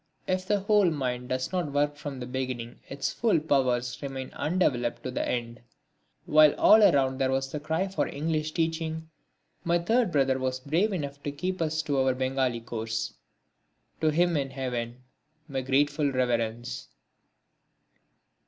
If the whole mind does not work from the beginning its full powers remain undeveloped to the end. While all around was the cry for English teaching, my third brother was brave enough to keep us to our Bengali course. To him in heaven my grateful reverence.